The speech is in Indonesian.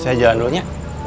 saya jalan dulunya